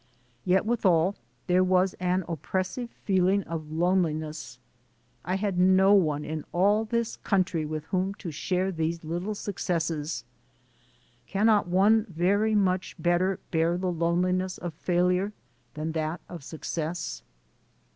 Yet withal, there was an oppressive feeling of loneli * ness. I had no one in all this country with whom to share these little successes. Cannot one very much better bear the loneliness of failure than that of success?